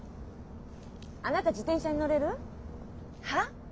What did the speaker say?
あなた自転車に乗れる？はっ？